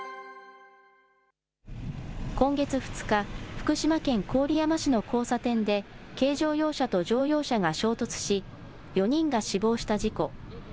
今月２日、福島県郡山市の交差点で、軽乗用車と乗用車が衝突し、４人が死亡した事故。